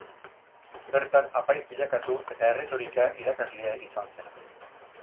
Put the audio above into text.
Bertan apaiz bilakatu eta erretorika irakaslea izan zen.